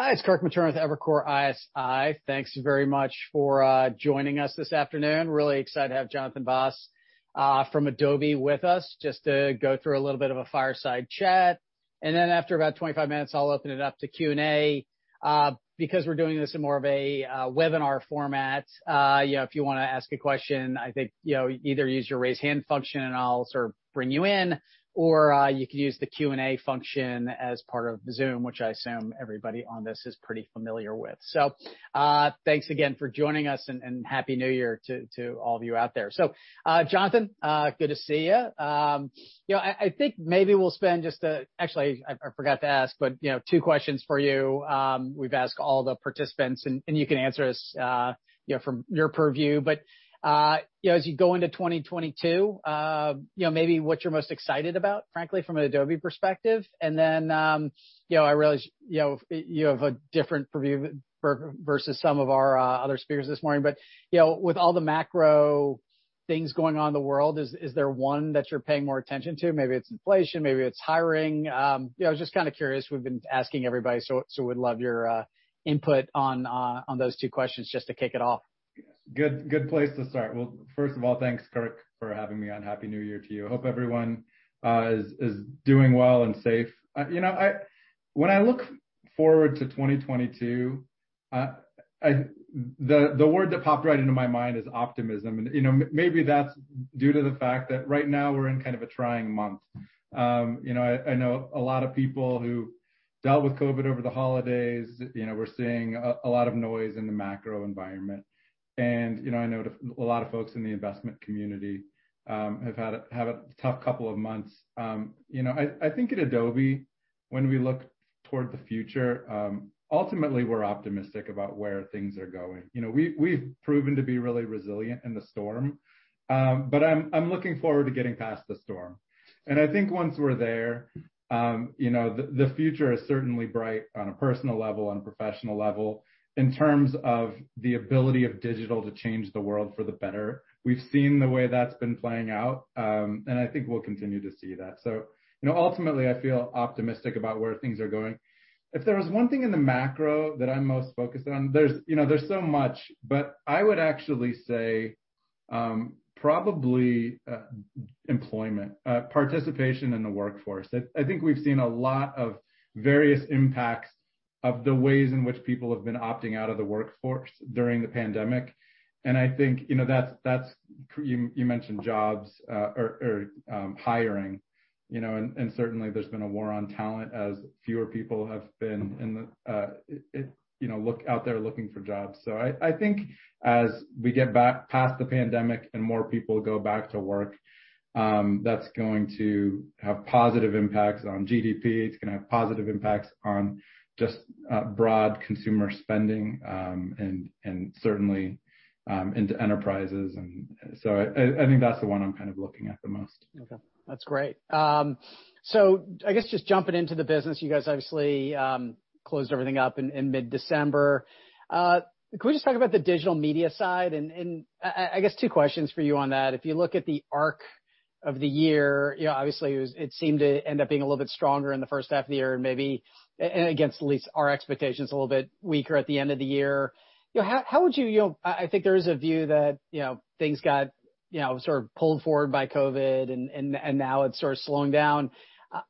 Hi, it's Kirk Materne with Evercore ISI. Thanks very much for joining us this afternoon. Really excited to have Jonathan Vaas from Adobe with us just to go through a little bit of a fireside chat. Then after about 25 minutes, I'll open it up to Q&A. Because we're doing this in more of a webinar format, you know, if you wanna ask a question, I think, you know, either use your raise hand function, and I'll sort of bring you in, or you could use the Q&A function as part of Zoom, which I assume everybody on this is pretty familiar with. Thanks again for joining us and Happy New Year to all of you out there. Jonathan, good to see you. You know, I think maybe we'll spend just a... Actually, I forgot to ask, but you know, two questions for you. We've asked all the participants, and you can answer this, you know, from your purview. But you know, as you go into 2022, you know, maybe what you're most excited about, frankly, from an Adobe perspective. And then, you know, I realize you know, you have a different purview versus some of our other speakers this morning, but you know, with all the macro things going on in the world, is there one that you're paying more attention to? Maybe it's inflation, maybe it's hiring. You know, I was just kinda curious. We've been asking everybody, so we'd love your input on those two questions just to kick it off. Good place to start. Well, first of all, thanks, Kirk, for having me on. Happy New Year to you. Hope everyone is doing well and safe. You know, when I look forward to 2022, the word that popped right into my mind is optimism. You know, maybe that's due to the fact that right now we're in kind of a trying month. You know, I know a lot of people who dealt with COVID over the holidays. You know, we're seeing a lot of noise in the macro environment. You know, I know a lot of folks in the investment community have had a tough couple of months. You know, I think at Adobe, when we look toward the future, ultimately we're optimistic about where things are going. You know, we've proven to be really resilient in the storm. I'm looking forward to getting past the storm. I think once we're there, you know, the future is certainly bright on a personal level and professional level in terms of the ability of digital to change the world for the better. We've seen the way that's been playing out, and I think we'll continue to see that. You know, ultimately, I feel optimistic about where things are going. If there was one thing in the macro that I'm most focused on, you know, there's so much, but I would actually say, probably, employment participation in the workforce. I think we've seen a lot of various impacts of the ways in which people have been opting out of the workforce during the pandemic, and I think, you know, that's. You mentioned jobs or hiring, you know, and certainly there's been a war on talent as fewer people have been out there looking for jobs. I think as we get back past the pandemic and more people go back to work, that's going to have positive impacts on GDP. It's gonna have positive impacts on just broad consumer spending, and certainly into enterprises. I think that's the one I'm kind of looking at the most. Okay. That's great. I guess just jumping into the business, you guys obviously closed everything up in mid-December. Could we just talk about the Digital Media side? I guess two questions for you on that. If you look at the arc of the year, you know, obviously it seemed to end up being a little bit stronger in the first half of the year and maybe and against at least our expectations, a little bit weaker at the end of the year. You know, how would you? You know, I think there is a view that, you know, things got, you know, sort of pulled forward by COVID and now it's sort of slowing down.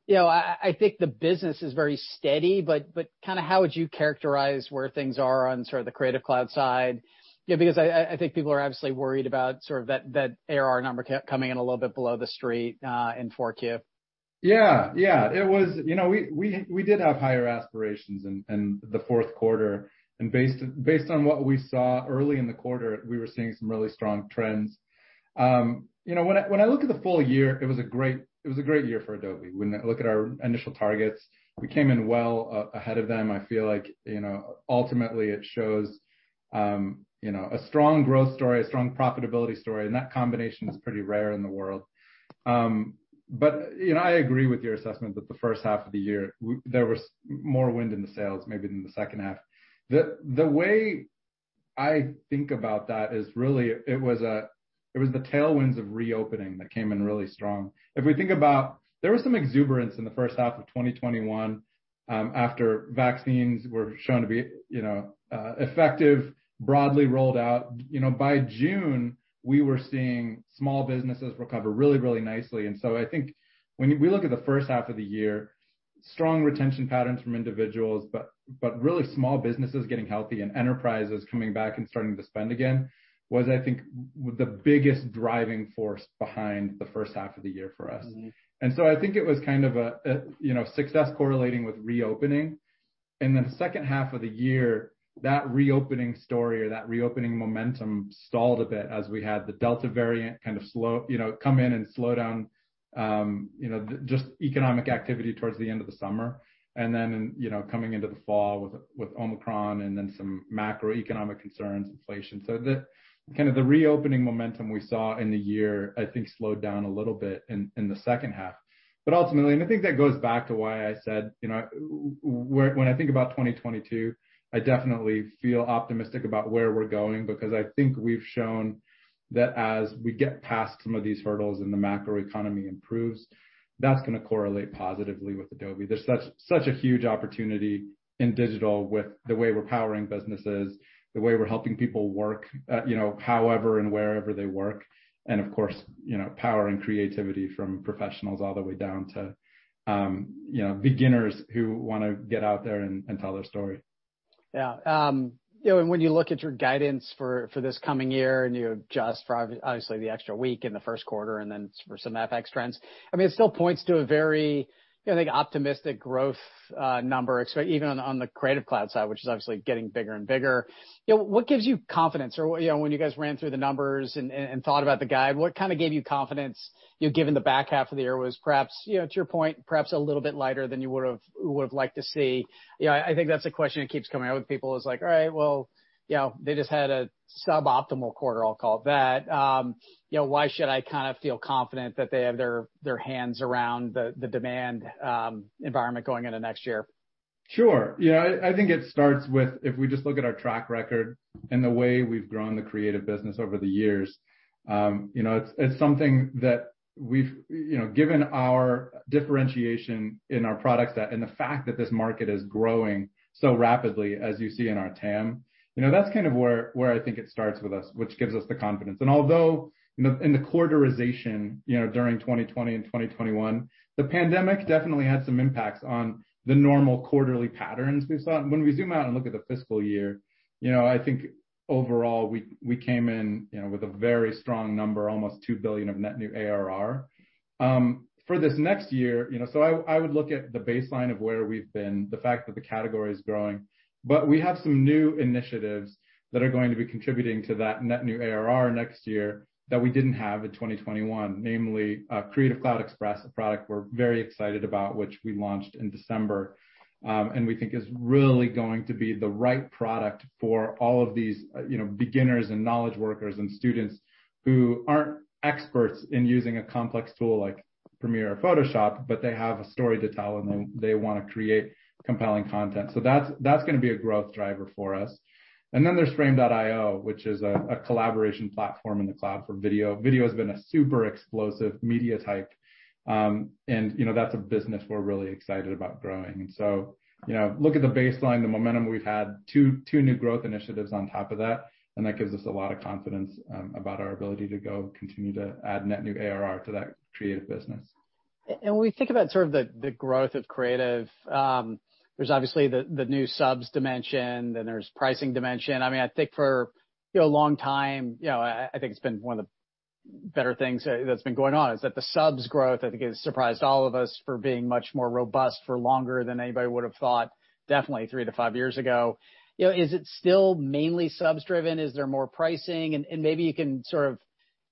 You know, I think the business is very steady, but kinda how would you characterize where things are on sort of the Creative Cloud side? You know, because I think people are obviously worried about sort of that ARR number coming in a little bit below the street in 4Q. Yeah. Yeah. It was. You know, we did have higher aspirations in the fourth quarter. Based on what we saw early in the quarter, we were seeing some really strong trends. You know, when I look at the full year, it was a great year for Adobe. When I look at our initial targets, we came in well ahead of them. I feel like, you know, ultimately it shows, you know, a strong growth story, a strong profitability story, and that combination is pretty rare in the world. You know, I agree with your assessment that the first half of the year there was more wind in the sails maybe than the second half. The way I think about that is really it was the tailwinds of reopening that came in really strong. If we think about, there was some exuberance in the first half of 2021, after vaccines were shown to be effective, broadly rolled out. By June, we were seeing small businesses recover really nicely. I think when we look at the first half of the year, strong retention patterns from individuals, but really small businesses getting healthy and enterprises coming back and starting to spend again, was the biggest driving force behind the first half of the year for us. Mm-hmm. I think it was kind of a you know success correlating with reopening. The second half of the year, that reopening story or that reopening momentum stalled a bit as we had the Delta variant kind of slow you know come in and slow down you know the just economic activity towards the end of the summer. You know coming into the fall with Omicron and then some macroeconomic concerns, inflation. Kind of the reopening momentum we saw in the year, I think slowed down a little bit in the second half. Ultimately, and I think that goes back to why I said, you know, when I think about 2022, I definitely feel optimistic about where we're going, because I think we've shown that as we get past some of these hurdles and the macro economy improves, that's gonna correlate positively with Adobe. There's such a huge opportunity in digital with the way we're powering businesses, the way we're helping people work, you know, however and wherever they work. Of course, you know, power and creativity from professionals all the way down to, you know, beginners who wanna get out there and tell their story. Yeah. You know, when you look at your guidance for this coming year and you adjust for obviously the extra week in the first quarter and then for some FX trends, I mean, it still points to a very, I think, optimistic growth number, even on the Creative Cloud side, which is obviously getting bigger and bigger. You know, what gives you confidence? Or you know, when you guys ran through the numbers and thought about the guide, what kind of gave you confidence, you know, given the back half of the year was perhaps, you know, to your point, perhaps a little bit lighter than you would've liked to see? You know, I think that's a question that keeps coming up with people is like, "All right, well, you know, they just had a suboptimal quarter," I'll call it that. You know, why should I kind of feel confident that they have their hands around the demand environment going into next year? Sure. Yeah, I think it starts with if we just look at our track record and the way we've grown the creative business over the years, you know, it's something that we've given our differentiation in our products and the fact that this market is growing so rapidly as you see in our TAM, you know, that's kind of where I think it starts with us, which gives us the confidence. Although, you know, in the quarterization during 2020 and 2021, the pandemic definitely had some impacts on the normal quarterly patterns we saw. When we zoom out and look at the fiscal year, you know, I think overall we came in, you know, with a very strong number, almost $2 billion of net new ARR. For this next year, you know, I would look at the baseline of where we've been, the fact that the category is growing. But we have some new initiatives that are going to be contributing to that net new ARR next year that we didn't have in 2021, namely, Creative Cloud Express, a product we're very excited about, which we launched in December, and we think is really going to be the right product for all of these, you know, beginners and knowledge workers and students who aren't experts in using a complex tool like Premiere or Photoshop, but they have a story to tell, and they wanna create compelling content. That's gonna be a growth driver for us. Then there's Frame.io, which is a collaboration platform in the cloud for video. Video has been a super explosive media type. You know, that's a business we're really excited about growing. You know, look at the baseline, the momentum we've had, two new growth initiatives on top of that, and that gives us a lot of confidence about our ability to go continue to add net new ARR to that creative business. When we think about sort of the growth of creative, there's obviously the new subs dimension, then there's pricing dimension. I mean, I think for a long time, you know, I think it's been one of the better things that's been going on is that the subs growth, I think, has surprised all of us for being much more robust for longer than anybody would have thought definitely 3-5 years ago. You know, is it still mainly subs driven? Is there more pricing? Maybe you can sort of,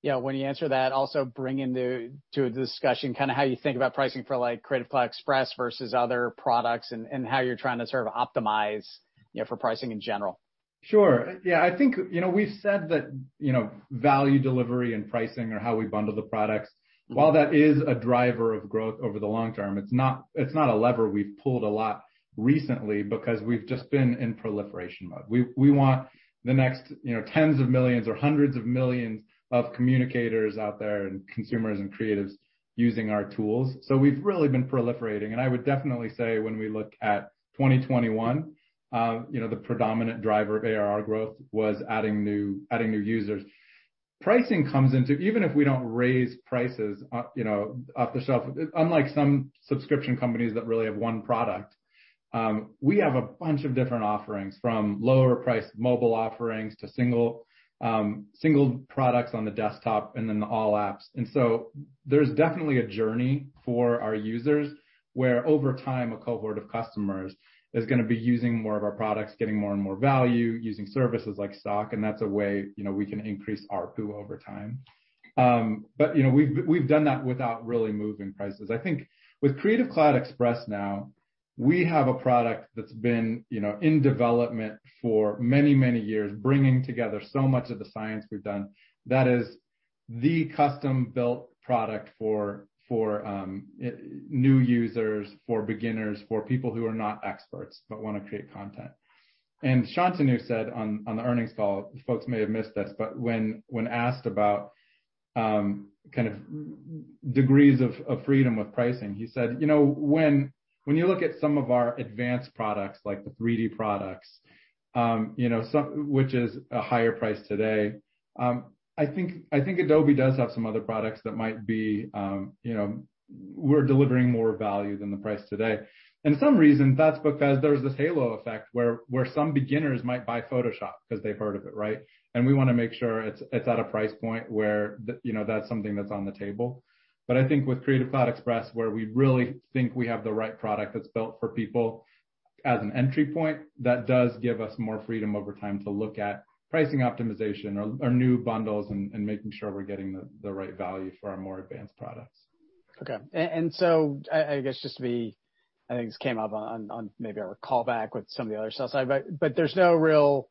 you know, when you answer that, also bring into a discussion kind of how you think about pricing for like Creative Cloud Express versus other products and how you're trying to sort of optimize, you know, for pricing in general. Sure. Yeah, I think, you know, we've said that, you know, value delivery and pricing or how we bundle the products. Mm-hmm. While that is a driver of growth over the long term, it's not a lever we've pulled a lot recently because we've just been in proliferation mode. We want the next, you know, tens of millions or hundreds of millions of communicators out there and consumers and creatives using our tools. So we've really been proliferating. I would definitely say when we look at 2021, the predominant driver of ARR growth was adding new users. Pricing comes into play. Even if we don't raise prices, off the shelf, unlike some subscription companies that really have one product, we have a bunch of different offerings, from lower priced mobile offerings to single products on the desktop and then the all apps. There's definitely a journey for our users, where over time, a cohort of customers is gonna be using more of our products, getting more and more value, using services like Stock, and that's a way, you know, we can increase ARPU over time. You know, we've done that without really moving prices. I think with Creative Cloud Express now, we have a product that's been, you know, in development for many years, bringing together so much of the science we've done that is the custom-built product for new users, for beginners, for people who are not experts, but wanna create content. Shantanu said on the earnings call, folks may have missed this, but when asked about kind of degrees of freedom with pricing, he said, "You know, when you look at some of our advanced products, like the 3D products, which is a higher price today, I think Adobe does have some other products that might be, we're delivering more value than the price today." The reason, that's because there's this halo effect where some beginners might buy Photoshop because they've heard of it, right? We wanna make sure it's at a price point where you know, that's something that's on the table. I think with Creative Cloud Express, where we really think we have the right product that's built for people as an entry point, that does give us more freedom over time to look at pricing optimization or new bundles and making sure we're getting the right value for our more advanced products. Okay. I guess I think this came up on maybe our call back with some of the other sales side, but there's no real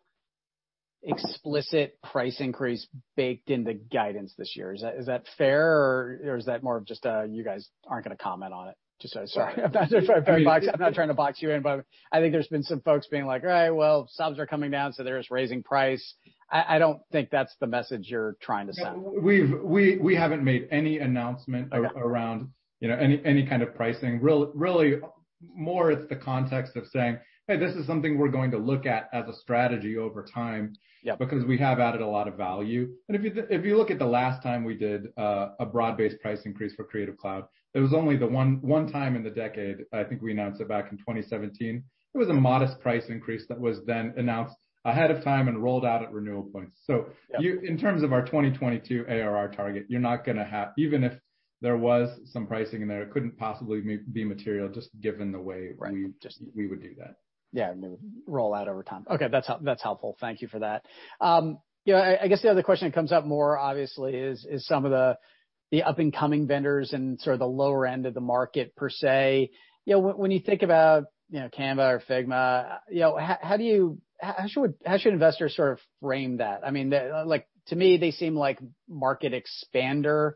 explicit price increase baked into guidance this year. Is that fair, or is that more of just you guys aren't gonna comment on it? Just so. Sorry. I'm not trying to box you in, but I think there's been some folks being like, "All right, well, subs are coming down, so they're just raising price." I don't think that's the message you're trying to send. No, we haven't made any announcement. Okay. around, you know, any kind of pricing. Really, it's more the context of saying, "Hey, this is something we're going to look at as a strategy over time. Yeah... because we have added a lot of value." If you look at the last time we did a broad-based price increase for Creative Cloud, it was only the one time in the decade. I think we announced it back in 2017. It was a modest price increase that was then announced ahead of time and rolled out at renewal points. So Yeah you in terms of our 2022 ARR target, you're not gonna have. Even if there was some pricing in there, it couldn't possibly be material just given the way Right We would do that. Yeah, I mean, roll out over time. Okay, that's helpful. Thank you for that. You know, I guess the other question that comes up more obviously is some of the up-and-coming vendors and sort of the lower end of the market per se. You know, when you think about, you know, Canva or Figma, you know, how should investors sort of frame that? I mean, like, to me, they seem like market expander,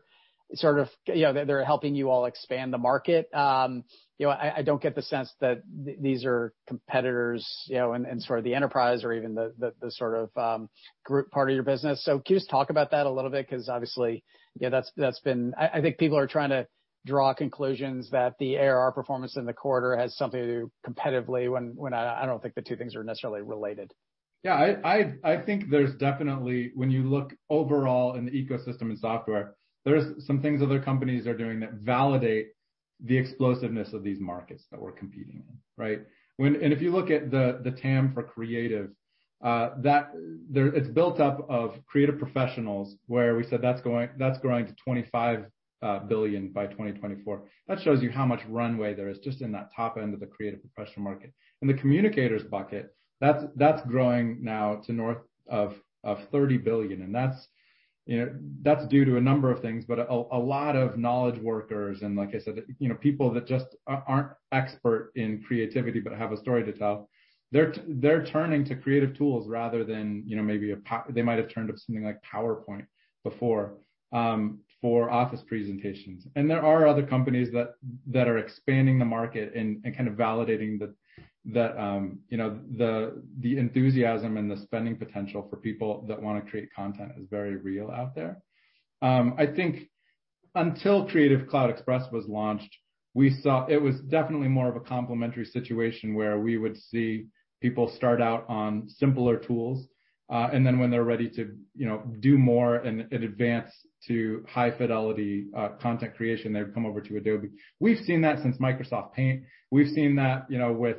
sort of, you know, they're helping you all expand the market. You know, I don't get the sense that these are competitors, you know, and sort of the enterprise or even the sort of group part of your business. Can you just talk about that a little bit? 'Cause obviously, you know, that's been... I think people are trying to draw conclusions that the ARR performance in the quarter has something to do competitively when I don't think the two things are necessarily related. Yeah, I think there's definitely when you look overall in the ecosystem and software, there's some things other companies are doing that validate the explosiveness of these markets that we're competing in, right? If you look at the TAM for creative, it's built up of creative professionals where we said that's going, that's growing to $25 billion by 2024. That shows you how much runway there is just in that top end of the creative professional market. In the communicators bucket, that's growing now to north of $30 billion, and that's, you know, due to a number of things, but a lot of knowledge workers, and like I said, you know, people that just aren't expert in creativity but have a story to tell, they're turning to creative tools rather than, you know, maybe they might have turned to something like PowerPoint before for office presentations. There are other companies that are expanding the market and kind of validating the enthusiasm and the spending potential for people that wanna create content is very real out there. I think until Creative Cloud Express was launched, we saw it was definitely more of a complementary situation where we would see people start out on simpler tools, and then when they're ready to, you know, do more and advance to high fidelity content creation, they would come over to Adobe. We've seen that since Microsoft Paint. We've seen that, you know, with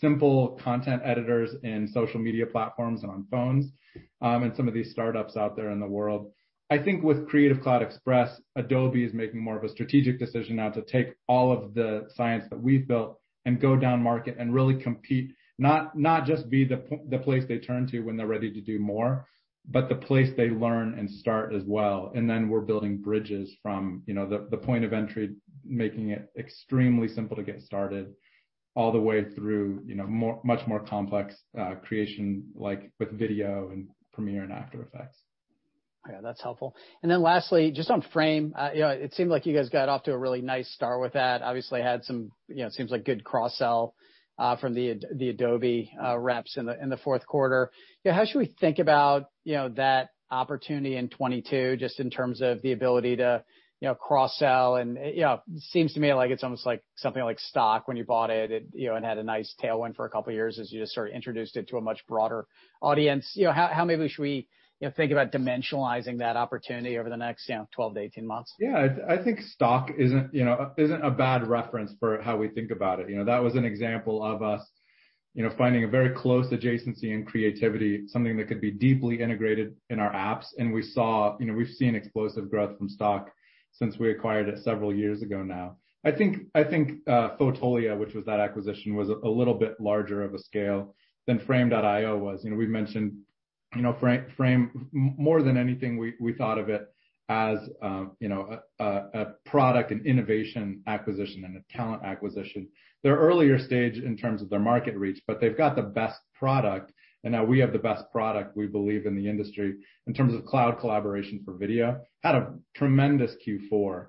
simple content editors in social media platforms on phones, and some of these startups out there in the world. I think with Creative Cloud Express, Adobe is making more of a strategic decision now to take all of the science that we've built and go down market and really compete, not just be the place they turn to when they're ready to do more, but the place they learn and start as well. We're building bridges from, you know, the point of entry, making it extremely simple to get started, all the way through, you know, more much more complex creation, like with video and Premiere and After Effects. Yeah, that's helpful. Lastly, just on Frame, you know, it seemed like you guys got off to a really nice start with that. Obviously had some, you know, seems like good cross-sell from the Adobe reps in the fourth quarter. Yeah, how should we think about, you know, that opportunity in 2022, just in terms of the ability to, you know, cross-sell and, you know, seems to me like it's almost like something like Stock when you bought it had a nice tailwind for a couple years as you just sort of introduced it to a much broader audience. You know, how maybe should we, you know, think about dimensionalizing that opportunity over the next 12 to 18 months? Yeah. I think Stock isn't a bad reference for how we think about it. You know, that was an example of us, you know, finding a very close adjacency in creativity, something that could be deeply integrated in our apps. We've seen explosive growth from Stock since we acquired it several years ago now. I think Fotolia, which was that acquisition, was a little bit larger of a scale than Frame.io was. You know, we've mentioned, you know, Frame, more than anything, we thought of it as, you know, a product and innovation acquisition and a talent acquisition. They're earlier stage in terms of their market reach, but they've got the best product, and we have the best product, we believe, in the industry in terms of cloud collaboration for video. Had a tremendous Q4.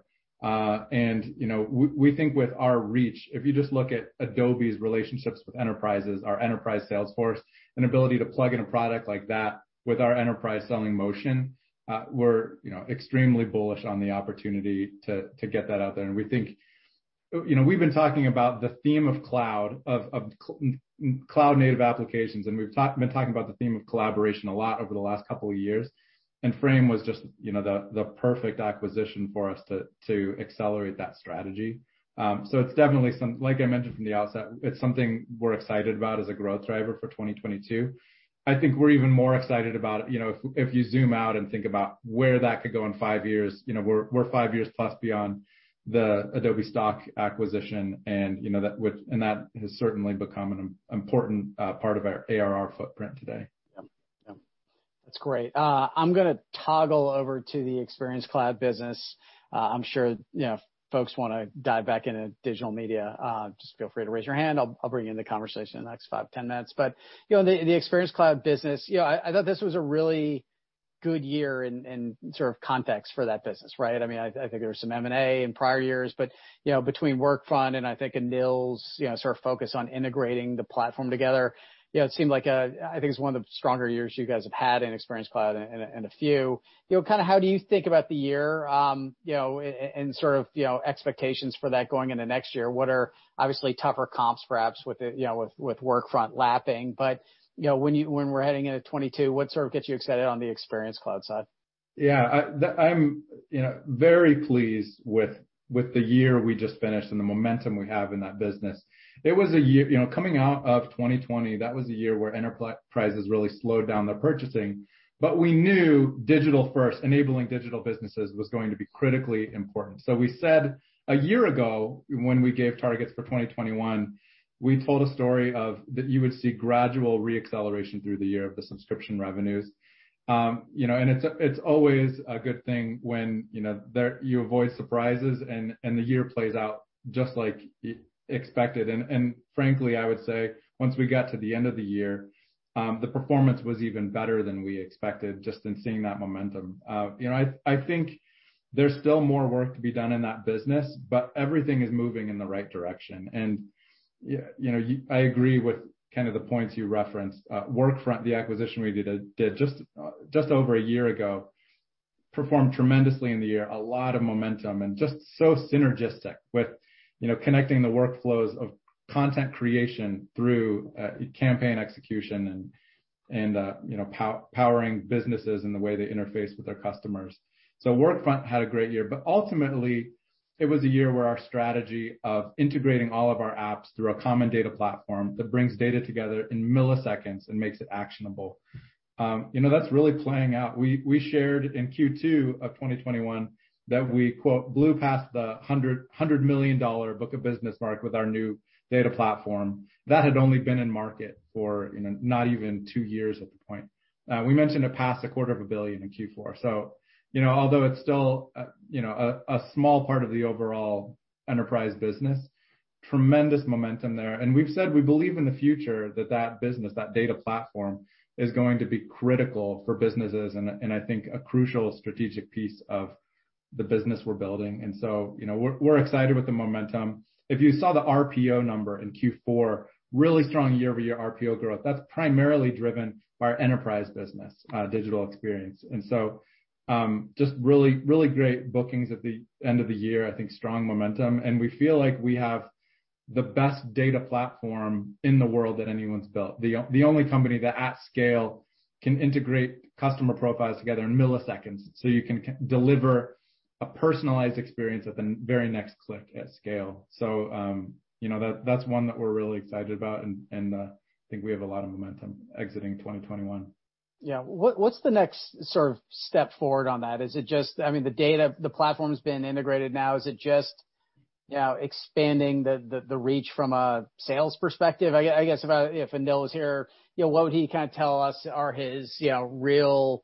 We think with our reach, if you just look at Adobe's relationships with enterprises, our enterprise sales force and ability to plug in a product like that with our enterprise selling motion, we're extremely bullish on the opportunity to get that out there. We think. You know, we've been talking about the theme of cloud, of cloud native applications, and we've been talking about the theme of collaboration a lot over the last couple of years. Frame was just, you know, the perfect acquisition for us to accelerate that strategy. So it's definitely like I mentioned from the outset, it's something we're excited about as a growth driver for 2022. I think we're even more excited about, you know, if you zoom out and think about where that could go in five years. You know, we're five years plus beyond the Adobe Stock acquisition, and, you know, that has certainly become an important part of our ARR footprint today. Yeah. Yeah. That's great. I'm gonna toggle over to the Experience Cloud business. I'm sure, you know, if folks wanna dive back into Digital Media, just feel free to raise your hand. I'll bring you into the conversation in the next 5, 10 minutes. You know, the Experience Cloud business, you know, I thought this was a really good year in sort of context for that business, right? I mean, I think there was some M&A in prior years, but you know, between Workfront and I think Anil's, you know, sort of focus on integrating the platform together, you know, it seemed like, I think it's one of the stronger years you guys have had in Experience Cloud in a few. You know, kind of how do you think about the year, you know, and sort of, you know, expectations for that going into next year? What are obviously tougher comps, perhaps with you know, Workfront lapping. You know, when we're heading into 2022, what sort of gets you excited on the Experience Cloud side? Yeah. I'm, you know, very pleased with the year we just finished and the momentum we have in that business. It was a year. You know, coming out of 2020, that was a year where enterprise clients really slowed down their purchasing. We knew digital first, enabling digital businesses was going to be critically important. We said a year ago, when we gave targets for 2021, we told a story that you would see gradual re-acceleration through the year of the subscription revenues. You know, and it's always a good thing when, you know, there you avoid surprises and the year plays out just like expected. Frankly, I would say once we got to the end of the year, the performance was even better than we expected just in seeing that momentum. You know, I think there's still more work to be done in that business, but everything is moving in the right direction. You know, I agree with kind of the points you referenced. Workfront, the acquisition we did just over a year ago, performed tremendously in the year. A lot of momentum and just so synergistic with you know, connecting the workflows of content creation through campaign execution and you know, powering businesses in the way they interface with their customers. Workfront had a great year. Ultimately, it was a year where our strategy of integrating all of our apps through a common data platform that brings data together in milliseconds and makes it actionable. You know, that's really playing out. We shared in Q2 of 2021 that we quote, "Blew past the $100 million book of business mark with our new data platform that had only been in market for, you know, not even 2 years at that point." We mentioned it passed a quarter of a billion in Q4. You know, although it's still a small part of the overall enterprise business, tremendous momentum there. We've said we believe in the future that that business, that data platform, is going to be critical for businesses and I think a crucial strategic piece of the business we're building. You know, we're excited with the momentum. If you saw the RPO number in Q4, really strong year-over-year RPO growth. That's primarily driven by our enterprise business, Digital Experience. Just really great bookings at the end of the year. I think strong momentum. We feel like we have the best data platform in the world that anyone's built. The only company that at scale can integrate customer profiles together in milliseconds, so you can deliver a personalized experience at the very next click at scale. You know, that's one that we're really excited about and think we have a lot of momentum exiting 2021. Yeah. What's the next sort of step forward on that? Is it just I mean, the data, the platform's been integrated now. Is it just, you know, expanding the reach from a sales perspective? I guess if Anil is here, you know, what would he kinda tell us are his, you know, real,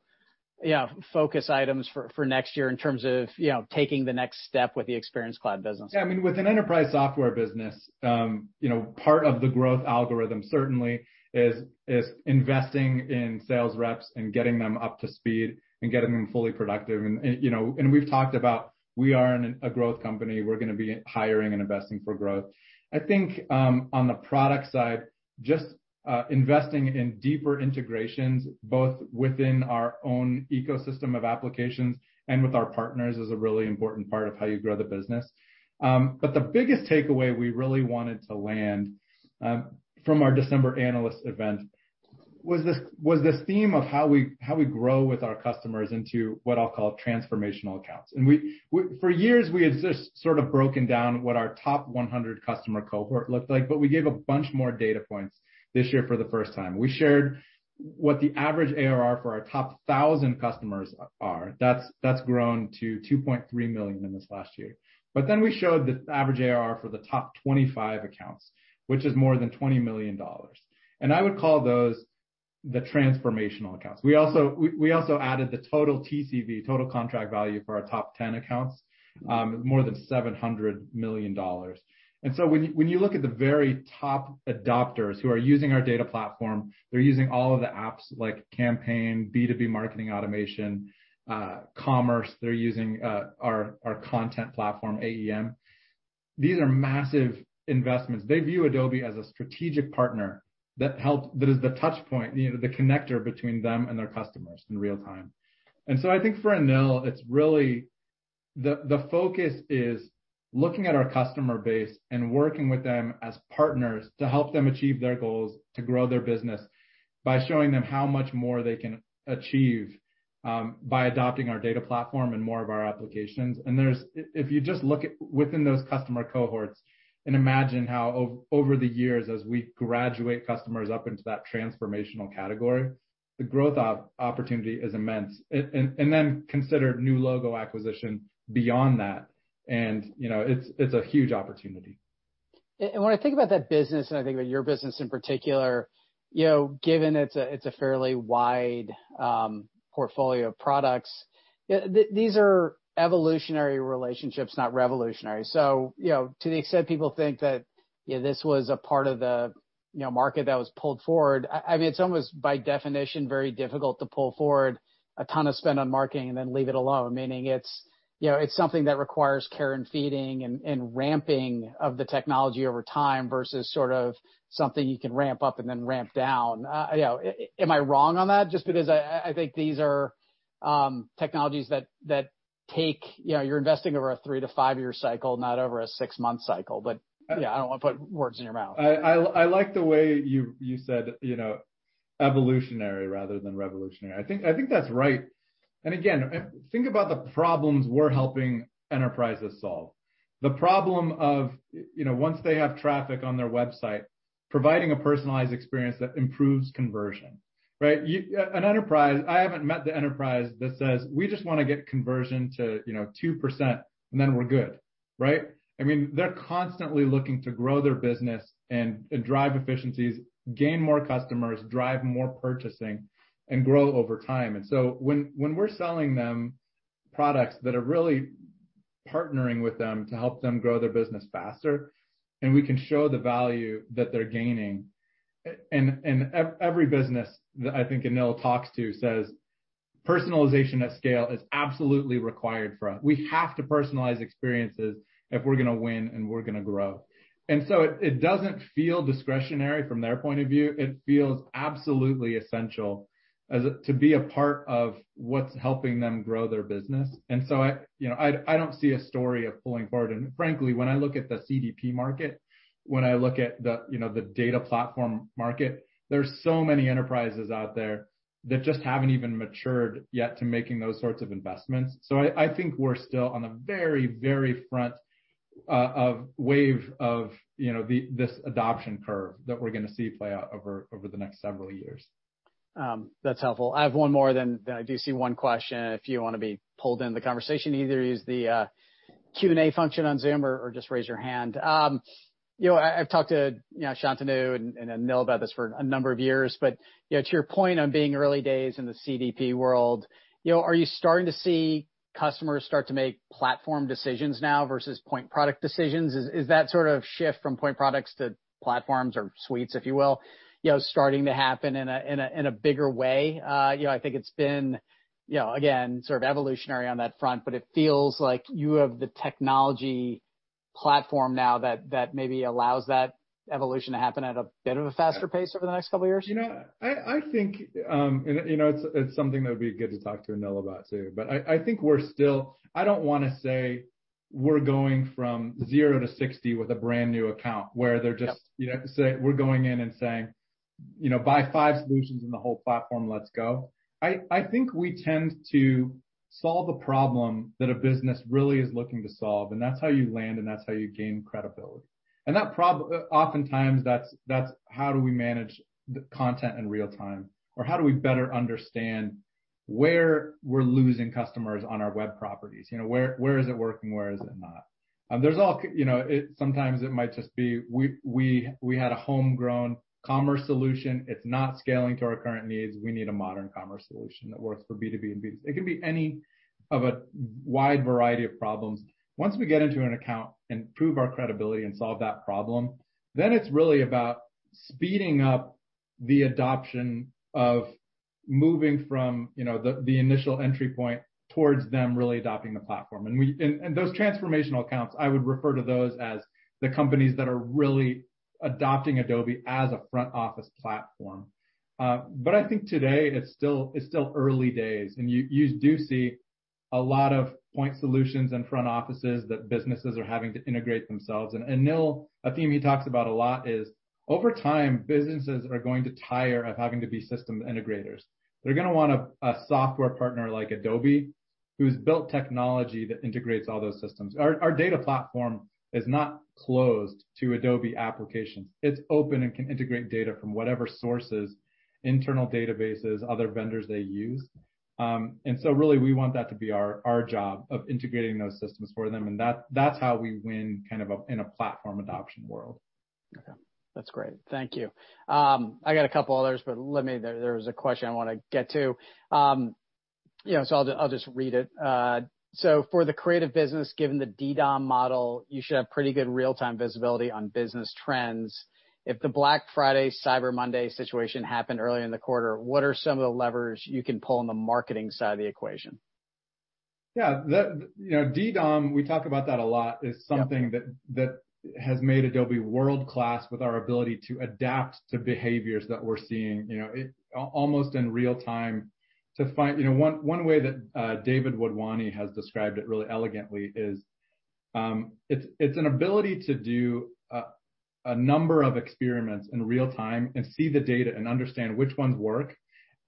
you know, focus items for next year in terms of, you know, taking the next step with the Experience Cloud business? Yeah. I mean, with an enterprise software business, you know, part of the growth algorithm certainly is investing in sales reps and getting them up to speed and getting them fully productive. We've talked about we are in a growth company, we're gonna be hiring and investing for growth. I think, on the product side, investing in deeper integrations, both within our own ecosystem of applications and with our partners, is a really important part of how you grow the business. The biggest takeaway we really wanted to land from our December analyst event was this theme of how we grow with our customers into what I'll call transformational accounts. For years, we had just sort of broken down what our top 100 customer cohort looked like, but we gave a bunch more data points this year for the first time. We shared what the average ARR for our top 1,000 customers are. That's grown to $2.3 million in this last year. We showed the average ARR for the top 25 accounts, which is more than $20 million. I would call those the transformational accounts. We also added the total TCV, total contract value, for our top 10 accounts, more than $700 million. When you look at the very top adopters who are using our data platform, they're using all of the apps like Campaign, B2B Marketing Automation, Commerce. They're using our content platform, AEM. These are massive investments. They view Adobe as a strategic partner that is the touch point, you know, the connector between them and their customers in real time. I think for Anil, it's really the focus is looking at our customer base and working with them as partners to help them achieve their goals to grow their business by showing them how much more they can achieve by adopting our data platform and more of our applications. If you just look at within those customer cohorts and imagine how over the years, as we graduate customers up into that transformational category, the growth opportunity is immense. Then consider new logo acquisition beyond that, and you know, it's a huge opportunity. When I think about that business, and I think about your business in particular, you know, given it's a fairly wide portfolio of products, these are evolutionary relationships, not revolutionary. You know, to the extent people think that. Yeah, this was a part of the, you know, market that was pulled forward. I mean, it's almost by definition very difficult to pull forward a ton of spend on marketing and then leave it alone, meaning it's, you know, it's something that requires care and feeding and ramping of the technology over time versus sort of something you can ramp up and then ramp down. You know, am I wrong on that? Just because I think these are technologies that take you know, you're investing over a 3- to 5-year cycle, not over a 6-month cycle. Yeah, I don't wanna put words in your mouth. I like the way you said, you know, evolutionary rather than revolutionary. I think that's right. Again, think about the problems we're helping enterprises solve. The problem of, you know, once they have traffic on their website, providing a personalized experience that improves conversion, right? I haven't met the enterprise that says, "We just wanna get conversion to, you know, 2%, and then we're good," right? I mean, they're constantly looking to grow their business and drive efficiencies, gain more customers, drive more purchasing, and grow over time. When we're selling them products that are really partnering with them to help them grow their business faster, and we can show the value that they're gaining, and every business that I think Anil talks to says, "Personalization at scale is absolutely required for us. We have to personalize experiences if we're gonna win and we're gonna grow." It doesn't feel discretionary from their point of view. It feels absolutely essential to be a part of what's helping them grow their business. I, you know, don't see a story of pulling forward. Frankly, when I look at the CDP market, when I look at the, you know, the data platform market, there's so many enterprises out there that just haven't even matured yet to making those sorts of investments. I think we're still on a very front of wave of, you know, the, this adoption curve that we're gonna see play out over the next several years. That's helpful. I have one more, then I do see one question if you wanna be pulled in the conversation. You can either use the Q&A function on Zoom or just raise your hand. You know, I've talked to, you know, Shantanu and Anil about this for a number of years. You know, to your point on being early days in the CDP world, you know, are you starting to see customers start to make platform decisions now versus point product decisions? Is that sort of shift from point products to platforms or suites, if you will, you know, starting to happen in a bigger way? You know, I think it's been, you know, again, sort of evolutionary on that front, but it feels like you have the technology platform now that maybe allows that evolution to happen at a bit of a faster pace over the next couple years. You know, I think, you know, it's something that would be good to talk to Anil about too. I think we're still. I don't wanna say we're going from zero to sixty with a brand-new account, where they're just- Yeah. You know, say we're going in and saying, "You know, buy five solutions in the whole platform, let's go." I think we tend to solve a problem that a business really is looking to solve, and that's how you land, and that's how you gain credibility. That oftentimes, that's how do we manage the content in real time? Or how do we better understand where we're losing customers on our web properties? You know, where is it working? Where is it not? You know, sometimes it might just be we had a homegrown commerce solution. It's not scaling to our current needs. We need a modern commerce solution that works for B2B and B2C. It can be any of a wide variety of problems. Once we get into an account and prove our credibility and solve that problem, then it's really about speeding up the adoption of moving from, you know, the initial entry point towards them really adopting the platform. Those transformational accounts, I would refer to those as the companies that are really adopting Adobe as a front office platform. I think today it's still early days, and you do see a lot of point solutions and front offices that businesses are having to integrate themselves. Anil, a theme he talks about a lot is, over time, businesses are going to tire of having to be system integrators. They're gonna want a software partner like Adobe who's built technology that integrates all those systems. Our data platform is not closed to Adobe applications. It's open and can integrate data from whatever sources, internal databases, other vendors they use. Really, we want that to be our job of integrating those systems for them, and that's how we win kind of in a platform adoption world. Okay. That's great. Thank you. I got a couple others, but let me. There was a question I wanna get to. You know, so I'll just read it. So for the creative business, given the DDOM model, you should have pretty good real-time visibility on business trends. If the Black Friday/Cyber Monday situation happened earlier in the quarter, what are some of the levers you can pull on the marketing side of the equation? Yeah. The, you know, DDOM, we talk about that a lot. Yeah. It's something that has made Adobe world-class with our ability to adapt to behaviors that we're seeing almost in real time to find. One way that David Wadhwani has described it really elegantly is it's an ability to do a number of experiments in real time and see the data and understand which ones work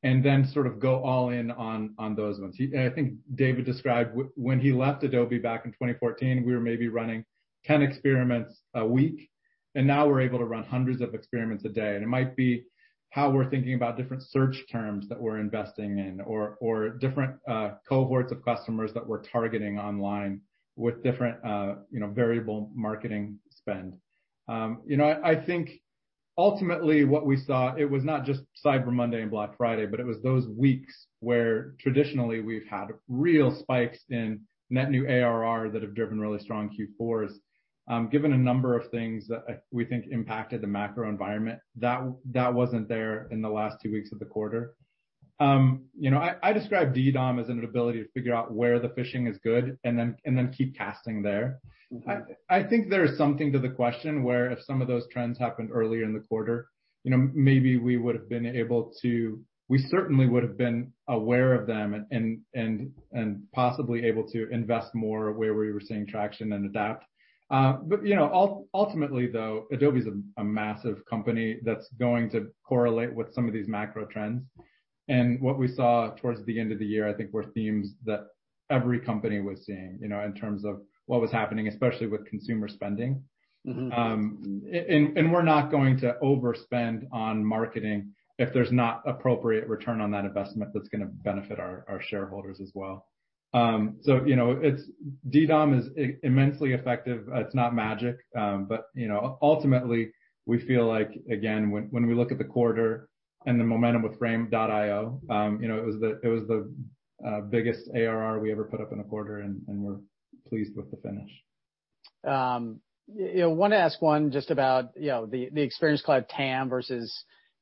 and then sort of go all in on those ones. I think David described when he left Adobe back in 2014, we were maybe running 10 experiments a week, and now we're able to run hundreds of experiments a day. It might be how we're thinking about different search terms that we're investing in or different cohorts of customers that we're targeting online with different variable marketing spend. You know, I think ultimately, what we saw, it was not just Cyber Monday and Black Friday, but it was those weeks where traditionally we've had real spikes in net new ARR that have driven really strong Q4s. You know, I describe DDOM as an ability to figure out where the fishing is good and then keep casting there. Mm-hmm. I think there is something to the question where if some of those trends happened earlier in the quarter, you know, maybe we would have been able to. We certainly would have been aware of them and possibly able to invest more where we were seeing traction and adapt. But, you know, ultimately, though, Adobe is a massive company that's going to correlate with some of these macro trends. What we saw towards the end of the year, I think, were themes that every company was seeing, you know, in terms of what was happening, especially with consumer spending. Mm-hmm. We're not going to overspend on marketing if there's not appropriate return on that investment that's gonna benefit our shareholders as well. You know, it's DDOM is immensely effective. It's not magic, but you know, ultimately, we feel like, again, when we look at the quarter and the momentum with Frame.io, you know, it was the biggest ARR we ever put up in a quarter, and we're pleased with the finish. You know, wanna ask one just about, you know, the Experience Cloud TAM versus,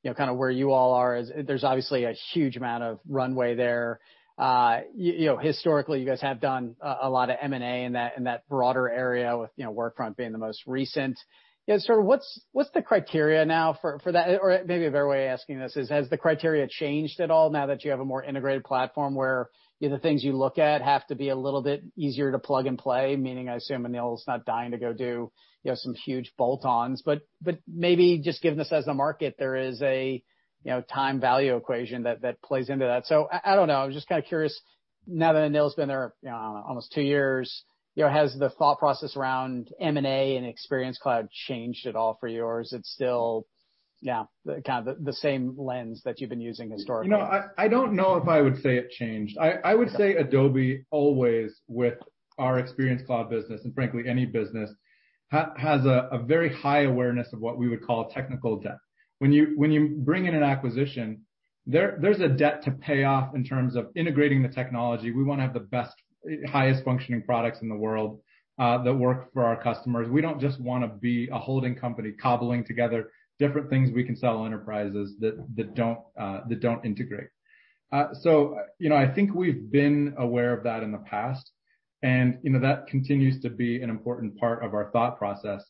you know, kind of where you all are. There's obviously a huge amount of runway there. You know, historically, you guys have done a lot of M&A in that broader area with, you know, Workfront being the most recent. You know, sort of what's the criteria now for that? Or maybe a better way of asking this is, has the criteria changed at all now that you have a more integrated platform where, you know, the things you look at have to be a little bit easier to plug and play, meaning I assume Anil's not dying to go do, you know, some huge bolt-ons. Maybe just given the size of the market, there is a you know time value equation that plays into that. I don't know. I'm just kind of curious, now that Anil's been there almost two years, you know, has the thought process around M&A and Experience Cloud changed at all for you or is it still yeah kind of the same lens that you've been using historically? You know, I don't know if I would say it changed. I would say Adobe always, with our Experience Cloud business, and frankly any business, has a very high awareness of what we would call technical debt. When you bring in an acquisition, there's a debt to pay off in terms of integrating the technology. We wanna have the best, highest functioning products in the world, that work for our customers. We don't just wanna be a holding company cobbling together different things we can sell to enterprises that don't integrate. You know, I think we've been aware of that in the past, and you know, that continues to be an important part of our thought process.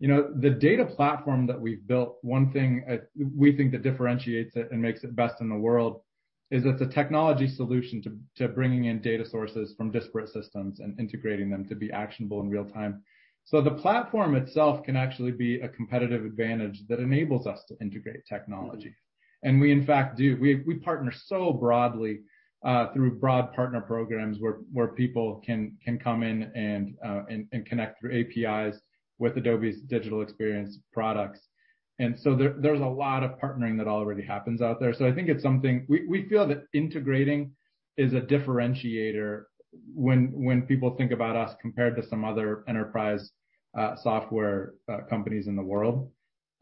You know, the data platform that we've built, one thing, we think that differentiates it and makes it best in the world is it's a technology solution to bringing in data sources from disparate systems and integrating them to be actionable in real time. The platform itself can actually be a competitive advantage that enables us to integrate technology. We, in fact, do. We partner so broadly through broad partner programs where people can come in and connect through APIs with Adobe's digital experience products. There, there's a lot of partnering that already happens out there. I think it's something we feel that integrating is a differentiator when people think about us compared to some other enterprise software companies in the world.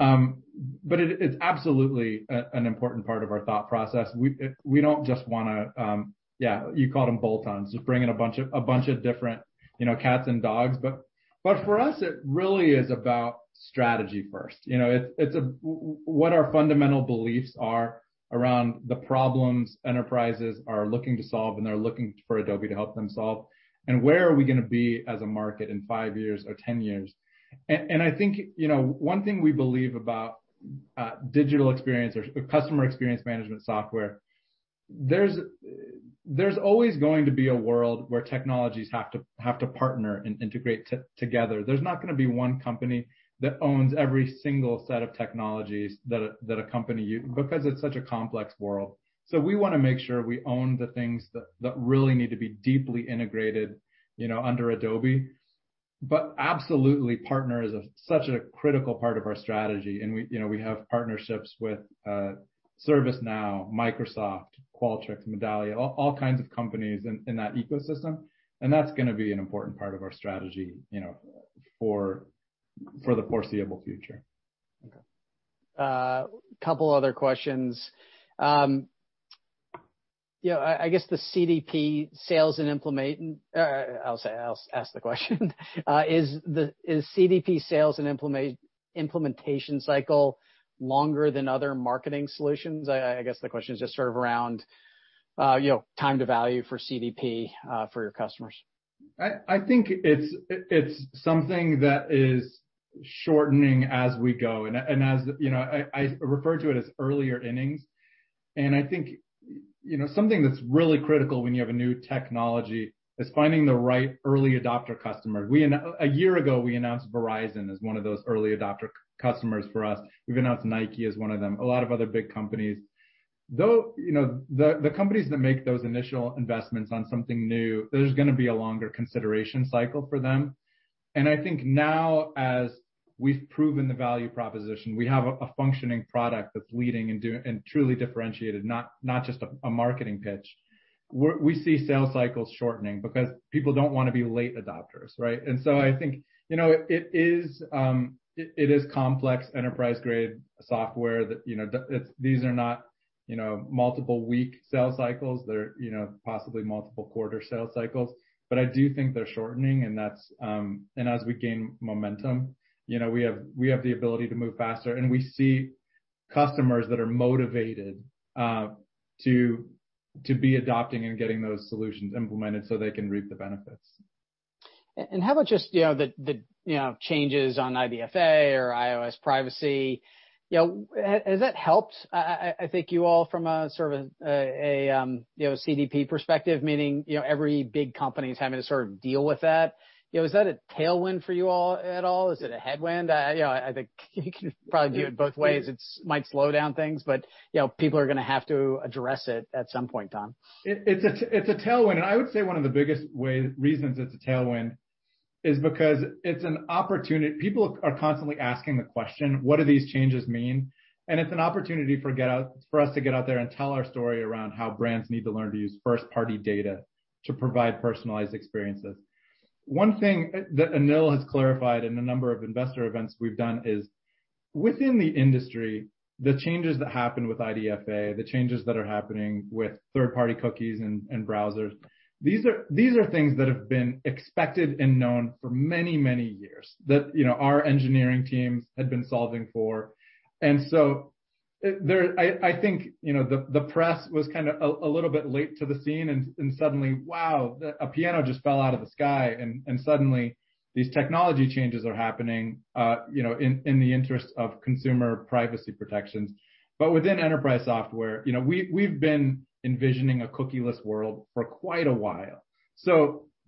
It is absolutely an important part of our thought process. We don't just wanna, yeah, you called them bolt-ons, just bring in a bunch of different, you know, cats and dogs. For us, it really is about strategy first. You know, it's what our fundamental beliefs are around the problems enterprises are looking to solve, and they're looking for Adobe to help them solve, and where are we gonna be as a market in 5 years or 10 years. I think, you know, one thing we believe about digital experience or customer experience management software. There's always going to be a world where technologies have to partner and integrate together. There's not gonna be one company that owns every single set of technologies because it's such a complex world. We wanna make sure we own the things that really need to be deeply integrated, you know, under Adobe, but absolutely partnering is such a critical part of our strategy. You know, we have partnerships with ServiceNow, Microsoft, Qualtrics, Medallia, all kinds of companies in that ecosystem, and that's gonna be an important part of our strategy, you know, for the foreseeable future. Okay. Couple other questions. You know, I guess the CDP sales and implementation cycle longer than other marketing solutions? I guess the question is just sort of around, you know, time to value for CDP, for your customers. I think it's something that is shortening as we go. As you know, I refer to it as earlier innings. I think you know, something that's really critical when you have a new technology is finding the right early adopter customer. A year ago, we announced Verizon as one of those early adopter customers for us. We've announced Nike as one of them, a lot of other big companies. Though you know, the companies that make those initial investments on something new, there's gonna be a longer consideration cycle for them. I think now as we've proven the value proposition, we have a functioning product that's leading and truly differentiated, not just a marketing pitch. We see sales cycles shortening because people don't wanna be late adopters, right? I think, you know, it is complex enterprise-grade software that, you know, these are not multiple week sales cycles. They're, you know, possibly multiple quarter sales cycles. But I do think they're shortening, and that's. As we gain momentum, you know, we have the ability to move faster. We see customers that are motivated to be adopting and getting those solutions implemented so they can reap the benefits. How about just, you know, the changes on IDFA or iOS privacy? You know, has that helped? I think you all from a sort of a, you know, CDP perspective, meaning, you know, every big company is having to sort of deal with that. You know, is that a tailwind for you all at all? Is it a headwind? You know, I think you can probably view it both ways. It might slow down things, but, you know, people are gonna have to address it at some point, Tom. It's a tailwind. I would say one of the biggest reasons it's a tailwind is because people are constantly asking the question, what do these changes mean? It's an opportunity for us to get out there and tell our story around how brands need to learn to use first-party data to provide personalized experiences. One thing that Anil has clarified in a number of investor events we've done is within the industry, the changes that happen with IDFA, the changes that are happening with third-party cookies and browsers, these are things that have been expected and known for many years, you know, our engineering teams had been solving for. I think, you know, the press was kind of a little bit late to the scene, and suddenly, wow, a piano just fell out of the sky. Suddenly these technology changes are happening, you know, in the interest of consumer privacy protections. Within enterprise software, you know, we've been envisioning a cookie-less world for quite a while.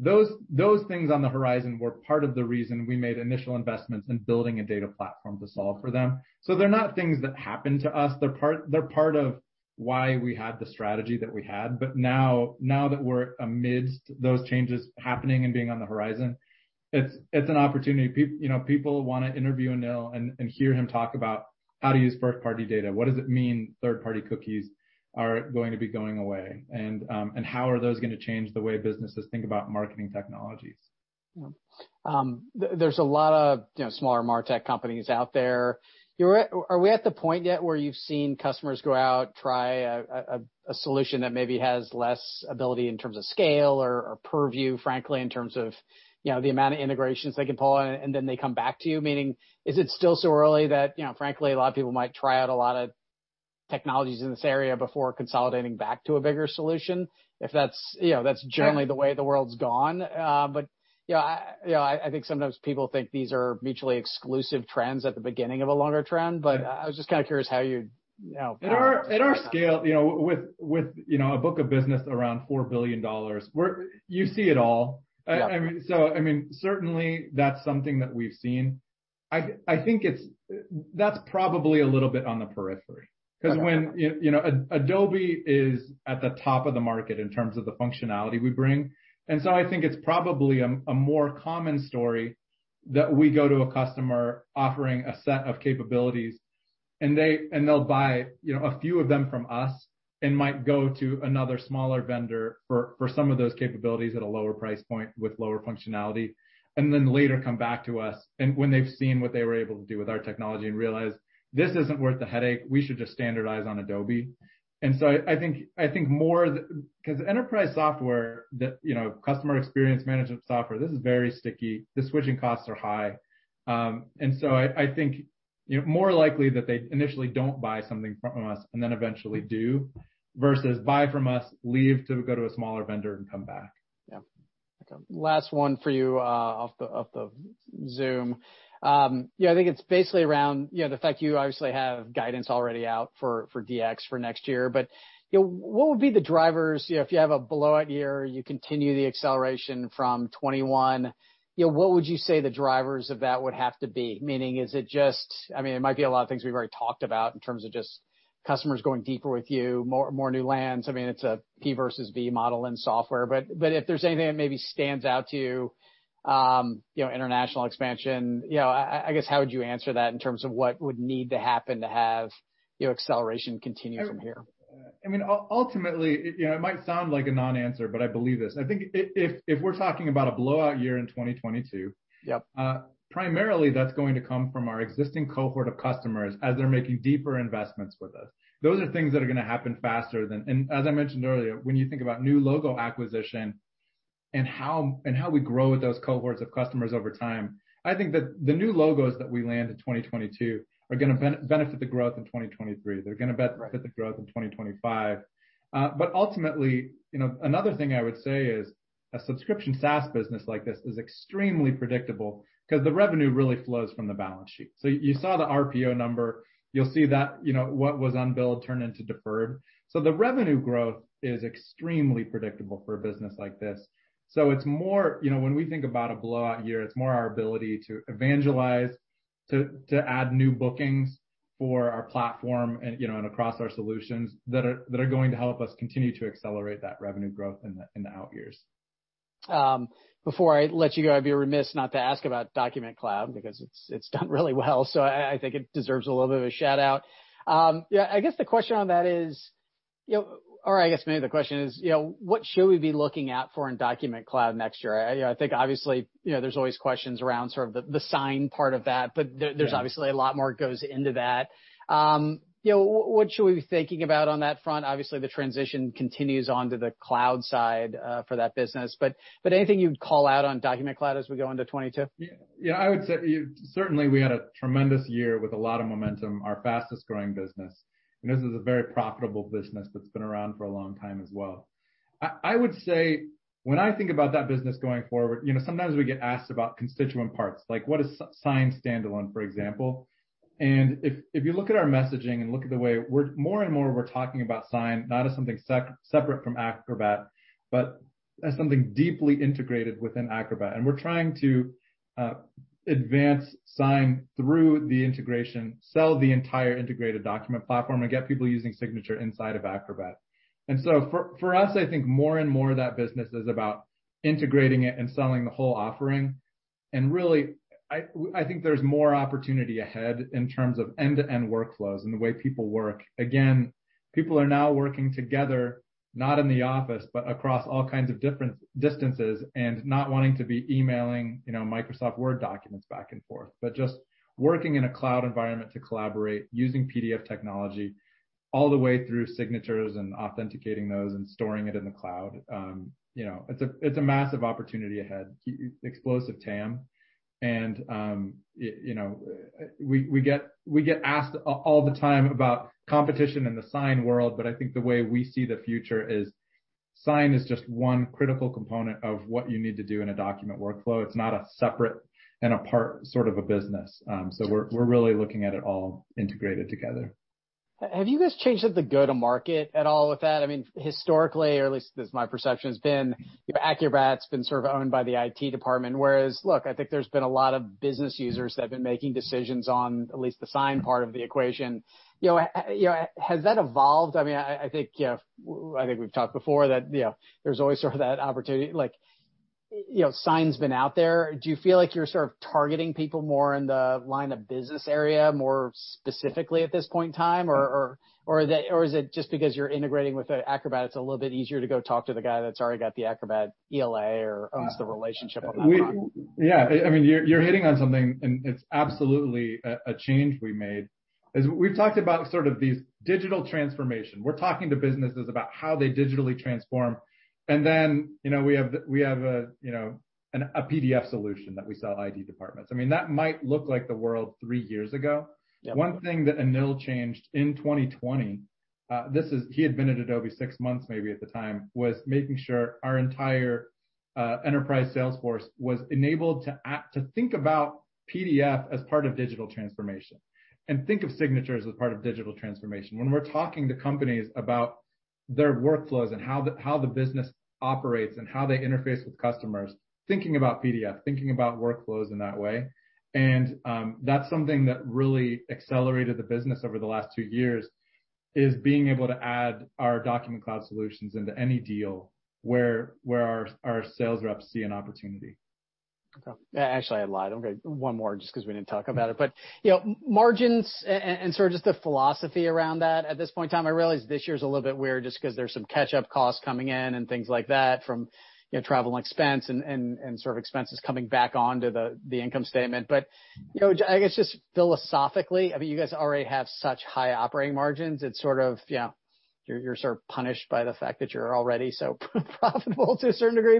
Those things on the horizon were part of the reason we made initial investments in building a data platform to solve for them. They're not things that happened to us. They're part of why we had the strategy that we had. Now that we're amidst those changes happening and being on the horizon, it's an opportunity. you know, people wanna interview Anil and hear him talk about how to use first-party data. What does it mean third-party cookies are going to be going away? How are those gonna change the way businesses think about marketing technologies? Yeah. There's a lot of, you know, smaller martech companies out there. Are we at the point yet where you've seen customers go out, try a solution that maybe has less ability in terms of scale or purview, frankly, in terms of, you know, the amount of integrations they can pull in, and then they come back to you? Meaning, is it still so early that, you know, frankly, a lot of people might try out a lot of technologies in this area before consolidating back to a bigger solution? If that's, you know, that's generally the way the world's gone. You know, I think sometimes people think these are mutually exclusive trends at the beginning of a longer trend. I was just kind of curious how you know- At our scale, you know, with you know, a book of business around $4 billion, we're. You see it all. I mean, certainly that's something that we've seen. I think it's. That's probably a little bit on the periphery 'cause you know, Adobe is at the top of the market in terms of the functionality we bring. I think it's probably a more common story that we go to a customer offering a set of capabilities, and they'll buy, you know, a few of them from us and might go to another smaller vendor for some of those capabilities at a lower price point with lower functionality, and then later come back to us. When they've seen what they were able to do with our technology and realize, "This isn't worth the headache. We should just standardize on Adobe." I think more, 'cause enterprise software that, you know, customer experience management software, this is very sticky. The switching costs are high. I think more likely that they initially don't buy something from us and then eventually do versus buy from us, leave to go to a smaller vendor, and come back. Yeah. Last one for you, off the Zoom. Yeah, I think it's basically around, you know, the fact you obviously have guidance already out for DX for next year. You know, what would be the drivers, you know, if you have a blowout year, you continue the acceleration from 2021, you know, what would you say the drivers of that would have to be? Meaning, is it just, I mean, it might be a lot of things we've already talked about in terms of just customers going deeper with you, more new lands. I mean, it's a P versus V model in software. If there's anything that maybe stands out to you know, international expansion. You know, I guess how would you answer that in terms of what would need to happen to have, you know, acceleration continue from here? I mean, ultimately, you know, it might sound like a non-answer, but I believe this. I think if we're talking about a blowout year in 2022- Yep primarily that's going to come from our existing cohort of customers as they're making deeper investments with us. Those are things that are gonna happen faster than. As I mentioned earlier, when you think about new logo acquisition and how we grow with those cohorts of customers over time, I think that the new logos that we land in 2022 are gonna benefit the growth in 2023. They're gonna benefit the growth in 2025. Ultimately, you know, another thing I would say is a subscription SaaS business like this is extremely predictable 'cause the revenue really flows from the balance sheet. You saw the RPO number. You'll see that, you know, what was unbilled turned into deferred. The revenue growth is extremely predictable for a business like this. It's more You know, when we think about a blowout year, it's more our ability to evangelize, to add new bookings for our platform and, you know, across our solutions that are going to help us continue to accelerate that revenue growth in the out years. Before I let you go, I'd be remiss not to ask about Document Cloud because it's done really well, so I think it deserves a little bit of a shout-out. Yeah, I guess the question on that is you know, or I guess maybe the question is, you know, what should we be looking out for in Document Cloud next year? I think obviously, you know, there's always questions around sort of the Sign part of that. Yeah. There, there's obviously a lot more goes into that. You know, what should we be thinking about on that front? Obviously, the transition continues onto the cloud side, for that business. Anything you'd call out on Document Cloud as we go into 2022? Yeah. I would say, certainly we had a tremendous year with a lot of momentum, our fastest growing business. This is a very profitable business that's been around for a long time as well. I would say when I think about that business going forward, you know, sometimes we get asked about constituent parts, like what is Sign standalone, for example. If you look at our messaging and look at the way we're more and more we're talking about Sign, not as something separate from Acrobat, but as something deeply integrated within Acrobat. We're trying to advance Sign through the integration, sell the entire integrated document platform, and get people using Signature inside of Acrobat. For us, I think more and more of that business is about integrating it and selling the whole offering. Really, I think there's more opportunity ahead in terms of end-to-end workflows and the way people work. Again, people are now working together, not in the office, but across all kinds of different distances and not wanting to be emailing, you know, Microsoft Word documents back and forth. Just working in a cloud environment to collaborate using PDF technology all the way through signatures and authenticating those and storing it in the cloud. You know, it's a massive opportunity ahead. Explosive TAM. We get asked all the time about competition in the Sign world, but I think the way we see the future is Sign is just one critical component of what you need to do in a document workflow. It's not a separate and apart sort of a business. We're really looking at it all integrated together. Have you guys changed up the go-to-market at all with that? I mean, historically, or at least this is my perception, has been, you know, Acrobat's been sort of owned by the IT department. Whereas, look, I think there's been a lot of business users that have been making decisions on at least the Sign part of the equation. You know, you know, has that evolved? I mean, I think, you know, I think we've talked before that, you know, there's always sort of that opportunity, like, you know, Sign's been out there. Do you feel like you're sort of targeting people more in the line of business area, more specifically at this point in time? Is it just because you're integrating with Acrobat, it's a little bit easier to go talk to the guy that's already got the Acrobat ELA or owns the relationship on that front? Yeah. I mean, you're hitting on something, and it's absolutely a change we made. We've talked about sort of these digital transformation. We're talking to businesses about how they digitally transform. You know, we have a PDF solution that we sell to IT departments. I mean, that might look like the world three years ago. Yeah. One thing that Anil changed in 2020, this is he had been at Adobe six months maybe at the time, was making sure our entire enterprise sales force was enabled to think about PDF as part of digital transformation, and think of signatures as part of digital transformation. When we're talking to companies about their workflows and how the business operates and how they interface with customers, thinking about PDF, thinking about workflows in that way. That's something that really accelerated the business over the last two years, is being able to add our Document Cloud solutions into any deal where our sales reps see an opportunity. Okay. Actually, I lied. Okay, one more just 'cause we didn't talk about it. You know, margins and sort of just the philosophy around that at this point in time, I realize this year is a little bit weird just 'cause there's some catch-up costs coming in and things like that from, you know, travel and expense and sort of expenses coming back onto the income statement. You know, I guess just philosophically, I mean, you guys already have such high operating margins, it's sort of, you know, you're sort of punished by the fact that you're already so profitable to a certain degree.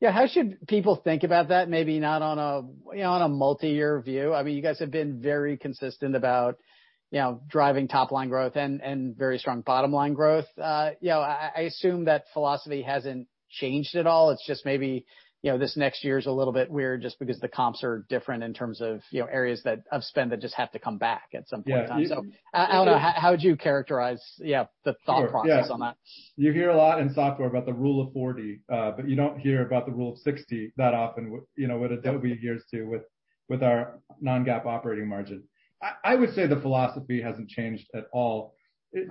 Yeah, how should people think about that? Maybe not on a, you know, on a multi-year view. I mean, you guys have been very consistent about, you know, driving top-line growth and very strong bottom-line growth. You know, I assume that philosophy hasn't changed at all. It's just maybe, you know, this next year is a little bit weird just because the comps are different in terms of, you know, areas of spend that just have to come back at some point in time. Yeah. I don't know, how would you characterize, yeah, the thought process on that? Sure. Yeah. You hear a lot in software about the Rule of 40, but you don't hear about the Rule of 60 that often with, you know, what Adobe adheres to with our non-GAAP operating margin. I would say the philosophy hasn't changed at all.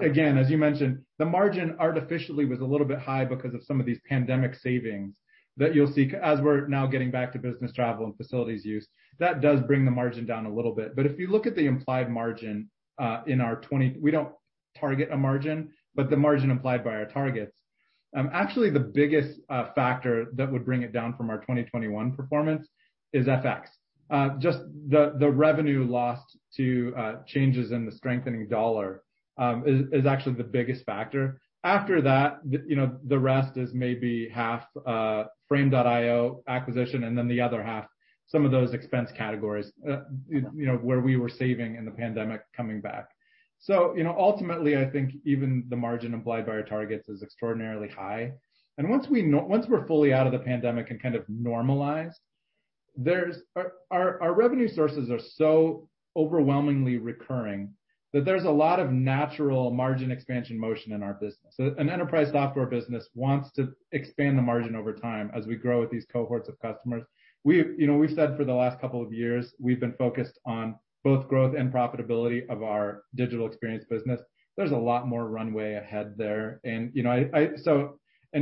Again, as you mentioned, the margin artificially was a little bit high because of some of these pandemic savings that you'll see as we're now getting back to business travel and facilities use. That does bring the margin down a little bit. If you look at the implied margin. We don't target a margin, but the margin implied by our targets. Actually the biggest factor that would bring it down from our 2021 performance is FX. Just the revenue lost to changes in the strengthening US dollar is actually the biggest factor. After that, you know, the rest is maybe half Frame.io acquisition, and then the other half some of those expense categories. Okay you know, where we were saving in the pandemic coming back. You know, ultimately, I think even the margin implied by our targets is extraordinarily high. Once we're fully out of the pandemic and kind of normalize, there's our revenue sources are so overwhelmingly recurring that there's a lot of natural margin expansion motion in our business. An enterprise software business wants to expand the margin over time as we grow with these cohorts of customers. We've, you know, said for the last couple of years we've been focused on both growth and profitability of our digital experience business. There's a lot more runway ahead there. You know, I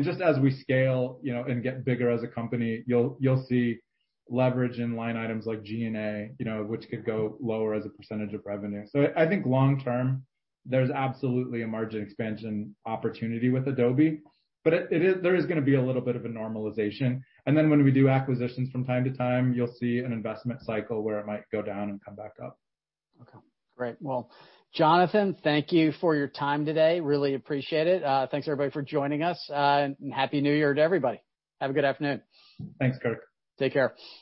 just as we scale, you know, and get bigger as a company, you'll see leverage in line items like G&A, you know, which could go lower as a percentage of revenue. I think long term, there's absolutely a margin expansion opportunity with Adobe, but it is, there is gonna be a little bit of a normalization. when we do acquisitions from time to time, you'll see an investment cycle where it might go down and come back up. Okay. Great. Well, Jonathan, thank you for your time today. Really appreciate it. Thanks, everybody, for joining us. Happy New Year to everybody. Have a good afternoon. Thanks, Kirk. Take care.